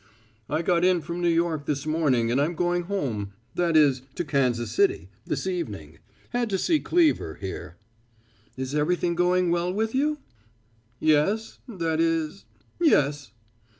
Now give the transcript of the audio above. "I got in from New York this morning and I'm going home that is, to Kansas City, this evening. Had to see Cleever here." "Is everything going well with you!" "Yes, that is yes."